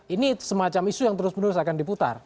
ini semacam isu yang terus menerus akan diputar